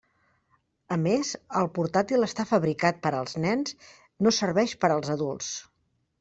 A més, el portàtil està fabricat per als nens, no serveix per als adults.